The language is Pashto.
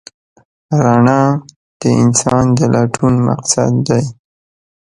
رڼا د انسان د لټون مقصد دی.